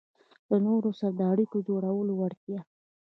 -له نورو سره د اړیکو جوړولو وړتیا